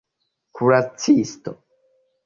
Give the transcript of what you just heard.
kuracisto